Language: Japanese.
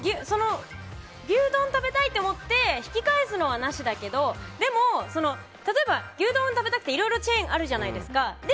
牛丼食べたいと思って引き返すのはなしだけど例えば、牛丼が食べたくていろいろチェーンあるじゃないですか。